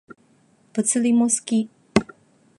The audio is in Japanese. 物理も好き